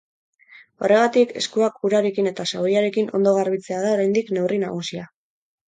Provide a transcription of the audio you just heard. Horregatik, eskuak urarekin eta xaboiarekin ondo garbitzea da oraindik neurri nagusia.